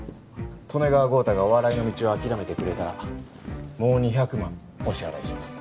利根川豪太がお笑いの道を諦めてくれたらもう２００万お支払いします。